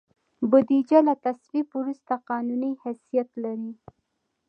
بودیجه له تصویب وروسته قانوني حیثیت لري.